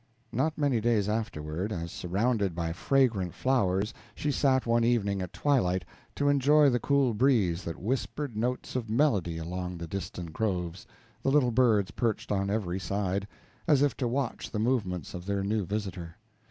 Not many days afterward, as surrounded by fragrant flowers she sat one evening at twilight, to enjoy the cool breeze that whispered notes of melody along the distant groves, the little birds perched on every side, as if to watch the movements of their new visitor.